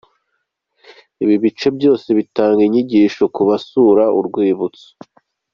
Ibi bice byose bitanga inyigisho kubasura urwibutso.